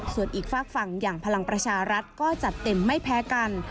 ส่วนอีกฝากฝั่งอย่างพลังประชารัฐก็จัดเต็มไม่แพ้กัน